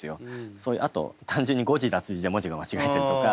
あと単純に誤字脱字で文字が間違えてるとか。